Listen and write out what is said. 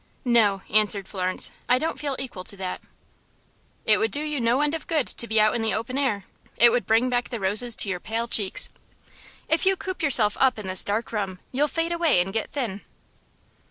"No," answered Florence. "I don't feel equal to that." "It would do you no end of good to be out in the open air. It would bring back the roses to your pale cheeks. If you coop yourself up in this dark room, you'll fade away and get thin."